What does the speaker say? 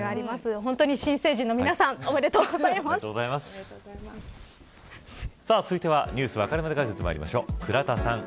本当に新成人の皆さん続いてはニュースわかるまで解説まいりましょう。